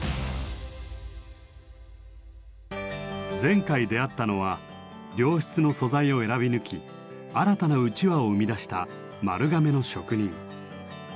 前回出会ったのは良質の素材を選び抜き新たなうちわを生み出した丸亀の職人。